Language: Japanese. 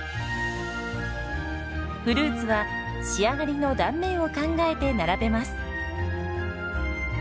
フルーツは仕上がりの断面を考えて並べます。